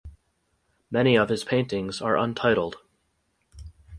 Many of his paintings are untitled.